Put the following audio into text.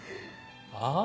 ああ。